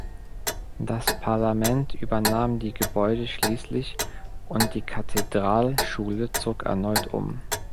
Das Parlament übernahm die Gebäude schließlich und die Kathedralschule zog erneut um.